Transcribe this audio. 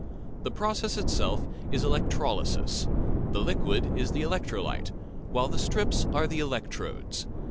The process itself is electrolysis; the liquid is the electrolyte, while the strips are the electrodes.